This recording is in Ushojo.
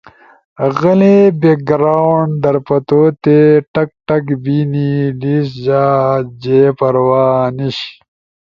غلے بیک گراونڈ در پتوتے ٹک ٹک بینی لیش جا جے پروا نیِش،